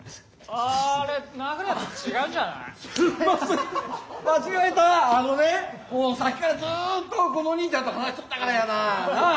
あのねもうさっきからずっとこのおにいちゃんと話しとったからやな。なあ？